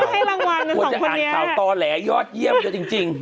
ต้องให้รางวัลทั้งสองคนนี้ต้องจะอ่านข่าวต่อแหละยอดเยี่ยมจริง